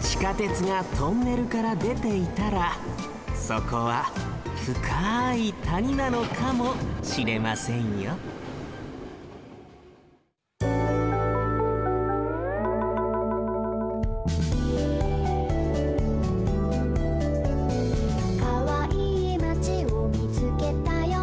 地下鉄がトンネルからでていたらそこはふかいたになのかもしれませんよ「かわいいまちをみつけたよ」